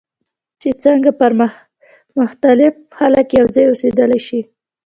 چې څنګه مختلف خلک یوځای اوسیدلی شي.